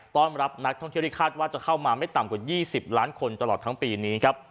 ต้อนรับนักท่องเที่ยวที่คาดว่าจะเข้ามาไม่ต่ำกว่า๒๐ล้านคนตลอดทั้งปีนี้ครับ